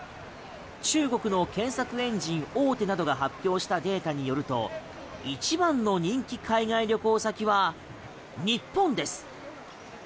中国の検索エンジン大手などが発表したデータによると一番の人気海外旅行先は日本です。